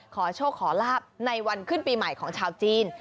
ขอโชคขอลาบในวันขึ้นปีใหม่ของชาวจีน